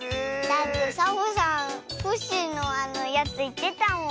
だってサボさんコッシーのやついってたもん。